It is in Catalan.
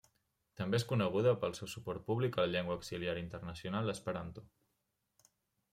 És també coneguda pel seu suport públic a la llengua auxiliar internacional esperanto.